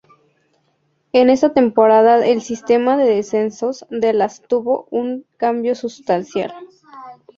En esta temporada el sistema de descensos de las tuvo un cambio sustancial.